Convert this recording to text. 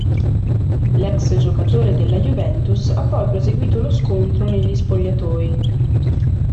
L'ex giocatore della Juventus ha poi proseguito lo scontro negli spogliatoi.